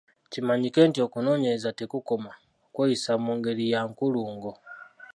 Kimanyike nti okunoonyereza tekukoma, kweyisa mu ngeri ya nkulungo.